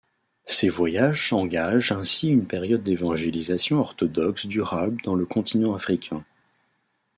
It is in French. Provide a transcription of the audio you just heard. Ces voyages engagent ainsi une période d'évangélisation orthodoxe durable dans le continent africain.